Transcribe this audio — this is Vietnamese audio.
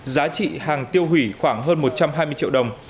giá trị hàng tiêu hủy khoảng hơn một trăm hai mươi triệu đồng